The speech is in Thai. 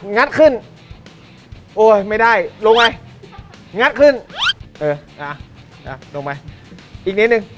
งัดขึ้นโอ้ยไม่ได้ลงไปงัดขึ้นเอออ่ะลงไปอีกนิดนึง